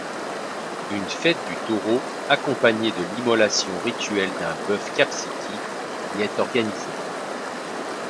Une fête du taureau, accompagnée de l'immolation rituelle d'un bœuf kapsiki, y est organisée.